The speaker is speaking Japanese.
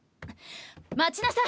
待ちなさい！